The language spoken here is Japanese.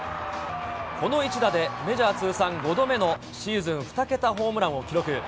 この１打でメジャー通算５度目のシーズン２桁ホームランを記録。